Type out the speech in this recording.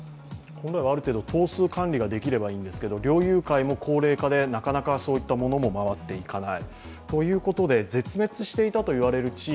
ある程度頭数管理ができればいいんですけど猟友会も高齢化でなかなかそういったものも回っていかない。